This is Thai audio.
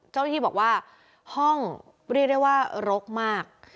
เจ้าคือบอกว่าห้องเรียกเรียกว่ารกมาก